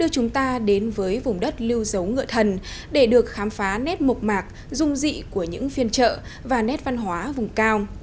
chúng ta đến với vùng đất lưu giấu ngựa thần để được khám phá nét mộc mạc dung dị của những phiên chợ và nét văn hóa vùng cao